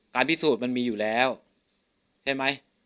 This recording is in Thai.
พิสูจน์มันมีอยู่แล้วใช่ไหม